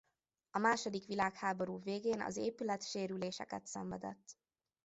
A második világháború végén az épület sérüléseket szenvedett.